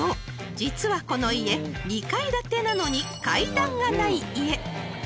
実はこの家２階建てなのに階段がない家］